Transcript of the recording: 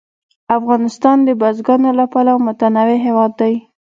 افغانستان د بزګانو له پلوه متنوع هېواد دی.